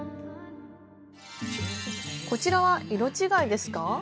こちらは色違いですか？